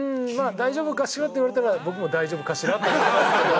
「大丈夫かしら？」って言われたら僕も大丈夫かしら？と思いますけど。